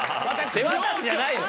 手渡しじゃないの？